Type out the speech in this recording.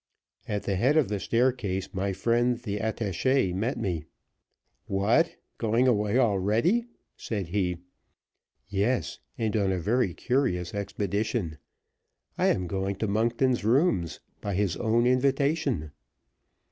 At the head of the staircase my friend, the attache, met me. "What! going away already?" Said he. "Yes; and on a very curious expedition. I am going to Monkton's rooms, by his own invitation."